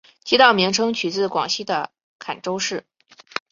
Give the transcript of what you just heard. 街道名称取自广西的钦州市。